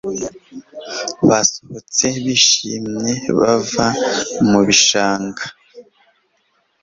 basohotse bishimye bava mubishanga